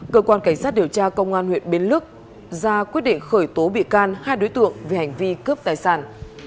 cơ quan cảnh sát điều tra công an huyện bến lức ra quyết định khởi tố bị can hai đối tượng về hành vi cướp tài sản